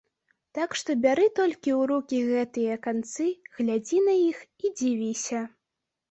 Так што бяры толькі ў рукі гэтыя канцы, глядзі на іх і дзівіся.